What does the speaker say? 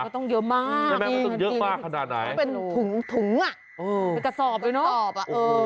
ต้องเยอะมากทุ่งอะเป็นกระสอบเลยเนอะโอ้โฮ